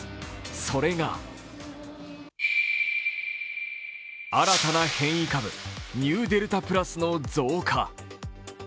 それが新たな変異株、ニューデルタプラスの増加。